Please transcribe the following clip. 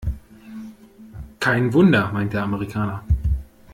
Kein Wunder, meint der Amerikaner.